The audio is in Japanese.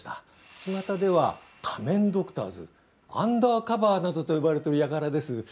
ちまたでは仮面ドクターズアンダーカバーなどと呼ばれてるやからです